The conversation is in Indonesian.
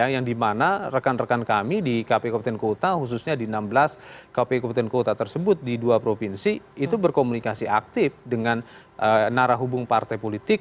yang dimana rekan rekan kami di kpu kabupaten kota khususnya di enam belas kpu kabupaten kota tersebut di dua provinsi itu berkomunikasi aktif dengan narah hubung partai politik